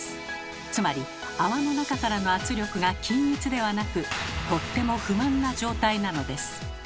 つまり泡の中からの圧力が均一ではなくとっても不満な状態なのです。